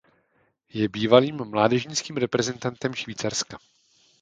Je bývalým mládežnickým reprezentantem Švýcarska.